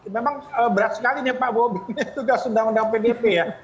memang berat sekali nih pak bobi ini tugas undang undang pdp ya